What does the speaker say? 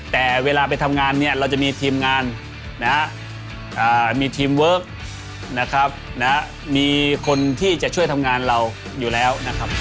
แต่เวลาไปทำงานเราจะมีทีมงานมีทีมเวิร์กมีคนที่จะช่วยทำงานเราอยู่แล้ว